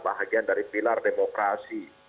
bahagian dari pilar demokrasi